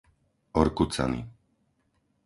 Orkucany